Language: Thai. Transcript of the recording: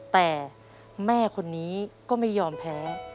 แต่แม่คนนี้ก็ไม่ยอมแพ้